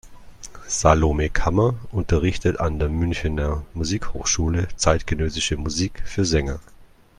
Salome Kammer unterrichtet an der Münchener Musikhochschule zeitgenössische Musik für Sänger.